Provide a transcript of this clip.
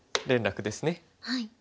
連絡ですね。